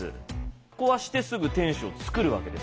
壊してすぐ天守を造るわけです